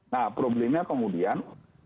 nah problemnya kemudian